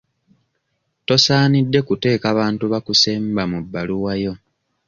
Tosaanidde kuteeka bantu bakusemba mu bbaluwa yo.